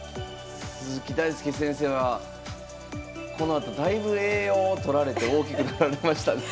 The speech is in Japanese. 鈴木大介先生はこのあとだいぶ栄養とられて大きくなられましたね。